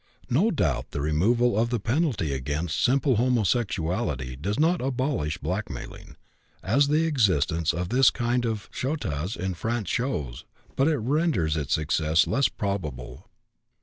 No doubt the removal of the penalty against simple homosexuality does not abolish blackmailing, as the existence of this kind of chantage in France shows, but it renders its success less probable.